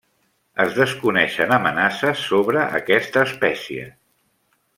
Es desconeixen amenaces sobre aquesta espècie.